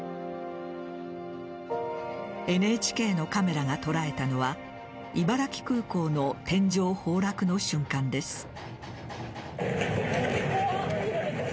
ＮＨＫのカメラが捉えたのは茨城空港の天井崩落の瞬間です。